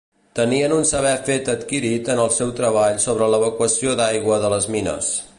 Tenien un saber fet adquirit en el seu treball sobre l'evacuació d'aigua de les mines.